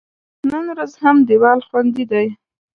نن ورځ هم دیوال خوندي دی.